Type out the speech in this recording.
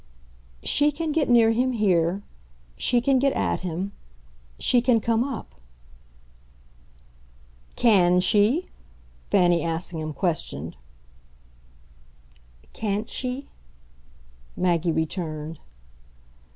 "She can get near him here. She can get 'at' him. She can come up." "CAN she?" Fanny Assingham questioned. "CAN'T she?" Maggie returned.